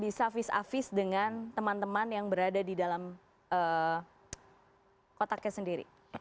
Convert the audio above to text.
bisa vis a vis dengan teman teman yang berada di dalam kotaknya sendiri